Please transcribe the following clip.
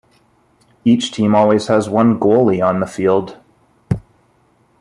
Each team always has one goalie on the field.